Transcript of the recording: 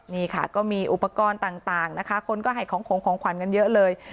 นี่ค่ะก็มีอุปกรณ์ต่างนะคะคนก็ให้ของของขวัญกันเยอะเลย